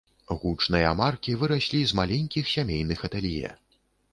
Гучныя маркі выраслі з маленькіх сямейных атэлье.